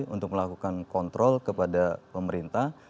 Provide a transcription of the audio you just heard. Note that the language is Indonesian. untuk melakukan kontrol kepada pemerintah